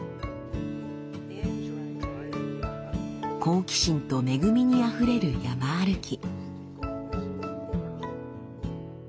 好奇心と恵みにあふれる山歩き。